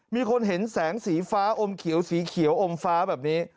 มีคนเห็นแสงสีฟ้าอมเขียวสีเขียวอมฟ้าแบบนี้